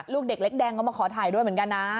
ลูกเด็กเล็กแดงก็มาขอถ่ายด้วยเหมือนกันนะ